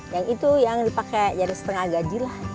yang itu yang dipakai jadi setengah gaji lah